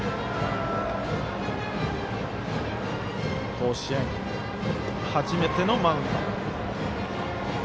甲子園初めてのマウンド。